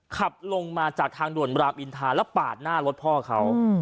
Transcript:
ขับลงมาจากทางด่วนบรามอินทาแล้วปาดหน้ารถพ่อเขา